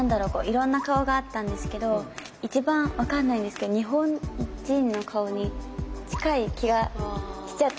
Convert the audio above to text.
いろんな顔があったんですけど一番分かんないんですけど日本人の顔に近い気がしちゃったんですけど勘違いですかね？